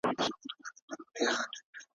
غولکه بېرته په خپل ځای کېږده.